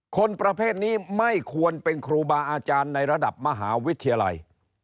คนประเภทนี้ไม่ควรเป็นครูบาอาจารย์ในระดับมหาวิทยาลัย